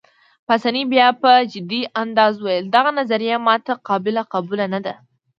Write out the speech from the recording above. پاسیني بیا په جدي انداز وویل: دغه نظریه ما ته قابل قبول نه ده.